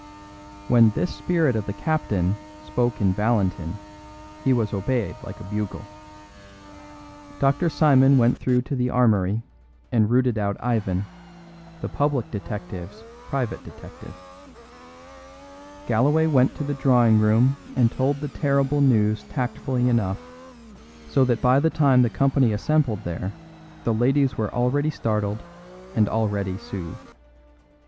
When this spirit of the captain spoke in Valentin he was obeyed like a bugle. Dr. Simon went through to the armoury and routed out Ivan, the public detective's private detective. Galloway went to the drawing room and told the terrible news tactfully enough, so that by the time the company assembled there the ladies were already startled and already soothed.